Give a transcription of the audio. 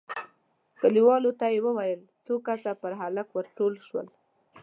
کليوالو ته يې وويل، څو کسه پر هلک ور ټول شول،